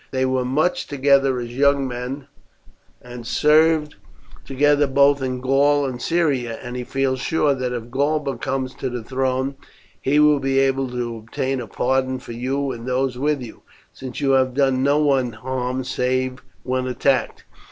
They were much together as young men, and served together both in Gaul and Syria; and he feels sure that if Galba comes to the throne he will be able to obtain a pardon for you and those with you, since you have done no one harm save when attacked.